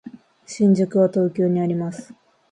新宿は東京にあります。